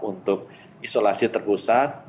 untuk isolasi terpusat